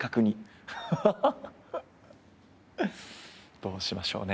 どうしましょうね。